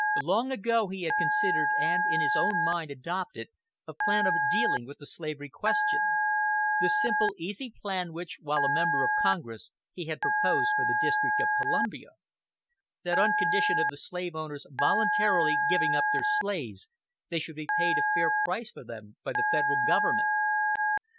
Long ago he had considered and in his own mind adopted a plan of dealing with the slavery question the simple, easy plan which, while a member of Congress, he had proposed for the District of Columbia that on condition of the slave owners voluntarily giving up their slaves, they should be paid a fair price for them by the Federal government.